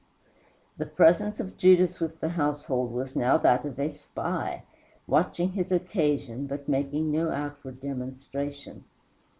The presence of Judas with the household was now that of a spy, watching his occasion, but making no outward demonstration.